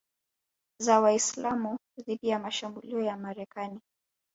za Waislamu dhidi ya mashambulio ya Marekani